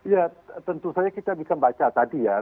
ya tentu saja kita bisa baca tadi ya